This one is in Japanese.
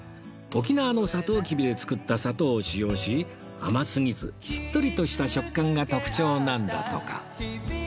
沖縄のサトウキビで作った砂糖を使用し甘すぎずしっとりとした食感が特徴なんだとか